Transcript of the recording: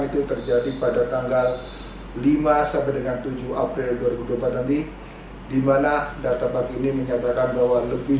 itu terjadi pada tanggal lima sampai dengan tujuh april dua ribu dua puluh empat nanti dimana databag ini menyatakan bahwa lebih